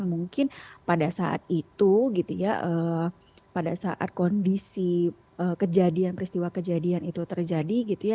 mungkin pada saat itu gitu ya pada saat kondisi kejadian peristiwa kejadian itu terjadi gitu ya